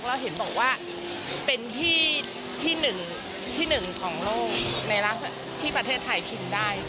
แล้วเห็นบอกว่าเป็นที่หนึ่งของโลกในที่ประเทศไทยครีมได้